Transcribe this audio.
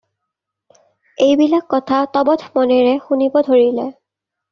এইবিলাক কথা তবধ মনেৰে শুনিব ধৰিলে।